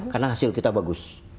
karena hasil kita bagus